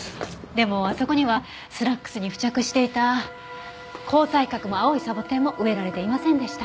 でもあそこにはスラックスに付着していた紅彩閣も青いサボテンも植えられていませんでした。